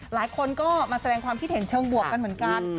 หลายคนก็มาแสดงความคิดเห็นเชิงบวกกันเหมือนกัน